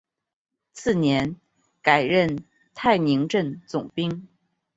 次年改任泰宁镇总兵。